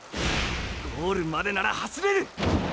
ゴールまでなら走れる。